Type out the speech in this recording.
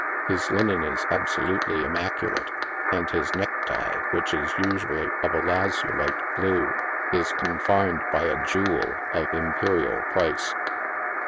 His linen is absolutely immaculate, and his neck tie, which is, usually, of a lazulite blue, is confined by a jewel of imperial price.